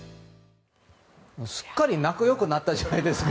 すっかり仲良くなったじゃないですか。